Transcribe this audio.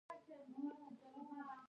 دوی په دې موخه په کلکه مبارزه پیلوي